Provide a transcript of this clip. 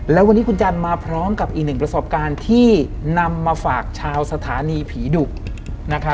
แล้ววันนี้คุณจันทร์มาพร้อมกับอีกหนึ่งประสบการณ์ที่นำมาฝากชาวสถานีผีดุ